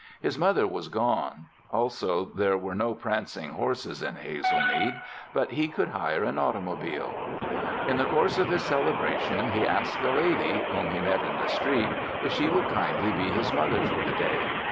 His mother was gone. Also there were no prancing horses in Hazelmead, but he could hire an automobile. In the course of his celebration he asked a lady, whom he met in the street, if she would kindly be his mother for a day.